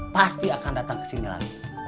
pasti akan datang kesini lagi